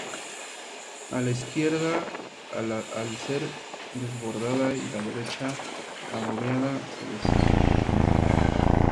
El ala izquierda, al ser desbordada y la derecha agobiada, se desconcertó.